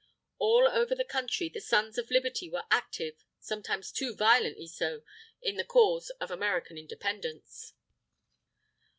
All over the Country, the Sons of Liberty were active, sometimes too violently so, in the cause of American Independence.